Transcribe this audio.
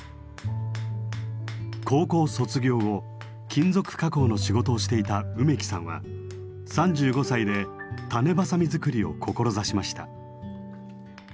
高校卒業後金属加工の仕事をしていた梅木さんは３５歳で種子鋏づくりを志しました。